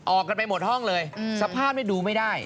ออกกันไปหมดห้องเลยสภาพนี้ดูไม่ได้